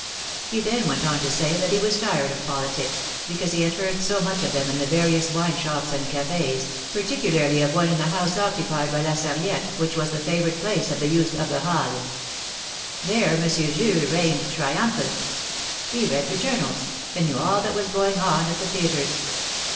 He then went on to say that he was tired of politics, because he had heard so much of them in the various wine shops and cafes, particularly of one in the house occupied by La Sarriette, which was the favorite place of the youth of the Halles. There Monsieur Jules reigned triumphant. He read the journals, and knew all that was going on at the theatres.